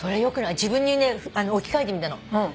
自分に置き換えてみたの。